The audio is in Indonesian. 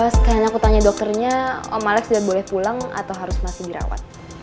sekalian aku tanya dokternya om malex sudah boleh pulang atau harus masih dirawat